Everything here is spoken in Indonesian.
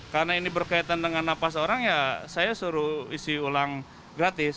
karena ini berkaitan dengan napas orang ya saya suruh isi ulang gratis